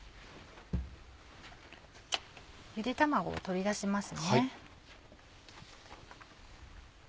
ゆで卵を取り出しますね。